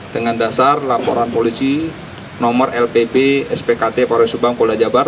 dengan dasar laporan polisi nomor lpp spkt polresubang kulajabar